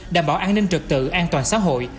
đảm bảo an ninh trực tự an toàn xã hội